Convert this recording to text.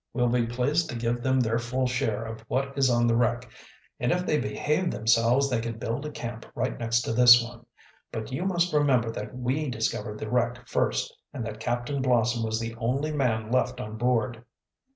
"We'll be pleased to give them their full share of what is on the wreck, and if they behave themselves they can build a camp right next to this one. But you must remember that we discovered the wreck first, and that Captain Blossom was the only man left on board."